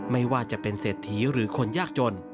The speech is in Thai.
ไม่ว่าจะเป็นเศรษฐีหรือคนยากจน